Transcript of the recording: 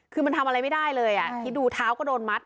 คือมันทำอะไรไม่ได้เลยคิดดูเท้าก็โดนมัด